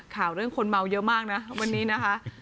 ข่าวเรื่องคนเมาเยอะมากนะวันนี้นะคะ